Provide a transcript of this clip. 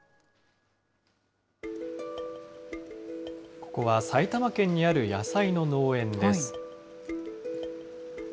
ここは埼玉県にある野菜の農園です。